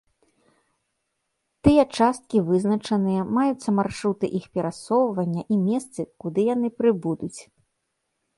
Тыя часткі вызначаныя, маюцца маршруты іх перасоўвання і месцы, куды яны прыбудуць.